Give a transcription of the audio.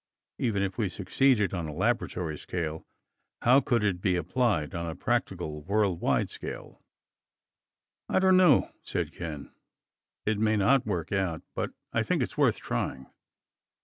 Even if we succeeded on a laboratory scale, how could it be applied on a practical, worldwide scale?" "I don't know," said Ken. "It may not work out, but I think it's worth trying."